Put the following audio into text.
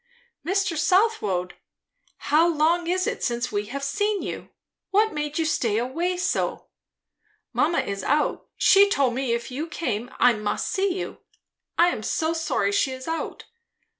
"Mr. Southwode! how long it is since we have seen you! What made you stay away so? Mamma is out; she told me if you came I must see you. I am so sorry she is out!